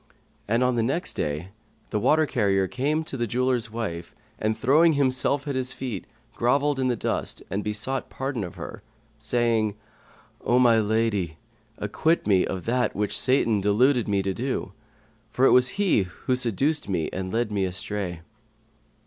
And on the next day, the water carrier came in to the jeweller's wife and, throwing himself at her feet, grovelled in the dust and besought pardon of her, saying, "O my lady, acquit me of that which Satan deluded me to do; for it was he that seduced me and led me astray."